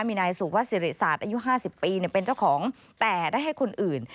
มีนายสุวัสสิริศาสตร์อายุ๕๐ปีเป็นเจ้าของแต่ได้ให้คนอื่น